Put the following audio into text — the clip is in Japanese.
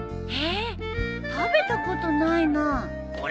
へえ食べたことないなあ。